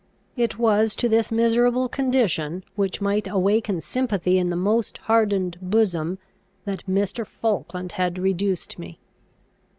It was to this miserable condition, which might awaken sympathy in the most hardened bosom, that Mr. Falkland had reduced me.